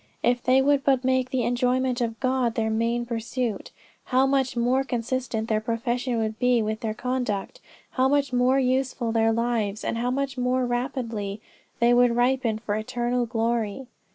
If they would but make the enjoyment of God their main pursuit how much more consistent their profession would be with their conduct, how much more useful their lives and how much more rapidly they would ripen for eternal glory."